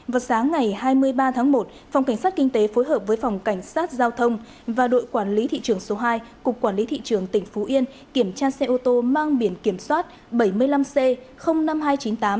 vào sáng ngày hai mươi ba tháng một phòng cảnh sát kinh tế phối hợp với phòng cảnh sát giao thông và đội quản lý thị trường số hai cục quản lý thị trường tp yên kiểm tra xe ô tô mang biển kiểm soát bảy mươi năm c hai mươi năm